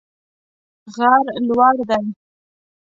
غر لوړ دی